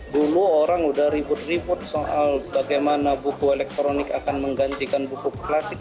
dulu orang udah ribut ribut soal bagaimana buku elektronik akan menggantikan buku klasik